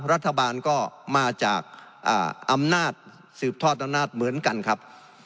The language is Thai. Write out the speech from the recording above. รัฐบาลก็มาจากอำนาจสืบทอดอำนาจเหมือนกันครับ